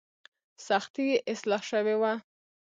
سختي یې اصلاح شوې وه.